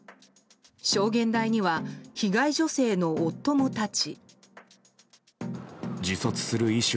証言台には被害女性の夫も立ち。